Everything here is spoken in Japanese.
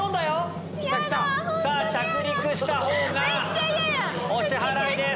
さぁ着陸した方がお支払いです。